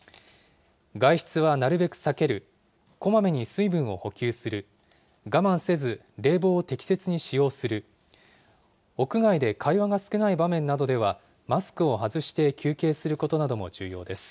外出はなるべく避ける、こまめに水分を補給する、我慢せず冷房を適切に使用する、屋外で会話が少ない場面などでは、マスクを外して休憩することなども重要です。